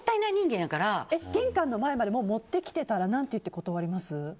玄関の前まで、もう持ってきてたら何て言って断ります？